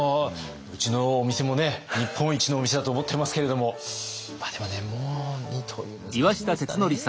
うちのお店もね日本一のお店だと思っていますけれどもまあでもねもう二刀流難しいですかね。